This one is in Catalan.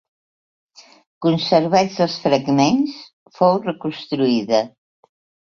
Conservats els fragments, fou reconstruïda.